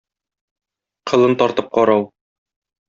Кылын тартып карау.